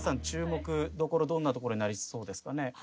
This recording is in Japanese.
注目どころどんなところになりそうですかね。